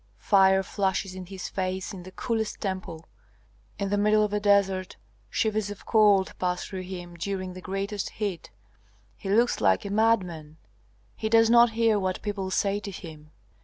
Fire flashes in his face in the coolest temple. In the middle of a desert shivers of cold pass through him during the greatest heat. He looks like a madman; he does not hear what people say to him.